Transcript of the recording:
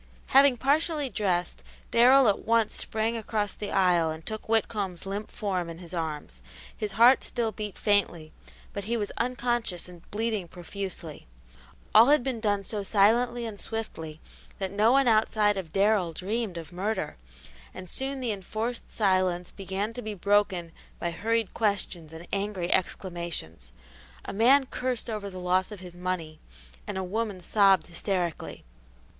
Having partially dressed, Darrell at once sprang across the aisle and took Whitcomb's limp form in his arms. His heart still beat faintly, but he was unconscious and bleeding profusely. All had been done so silently and swiftly that no one outside of Darrell dreamed of murder, and soon the enforced silence began to be broken by hurried questions and angry exclamations. A man cursed over the loss of his money and a woman sobbed hysterically.